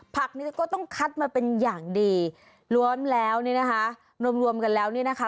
ผักนี้ก็ต้องคัดมาเป็นอย่างดีรวมแล้วนี่นะคะรวมรวมกันแล้วเนี่ยนะคะ